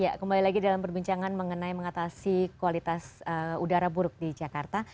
ya kembali lagi dalam perbincangan mengenai mengatasi kualitas udara buruk di jakarta